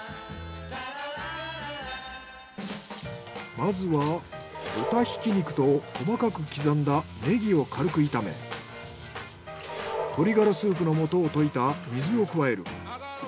まずは豚ひき肉と細かく刻んだネギを軽く炒め鶏がらスープの素を溶いた水を加える。